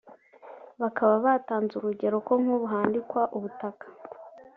bakaba batanze urugero ko nk’ubu handikwa ubutaka